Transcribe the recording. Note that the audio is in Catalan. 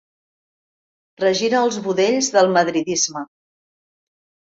Regira els budells del madridisme.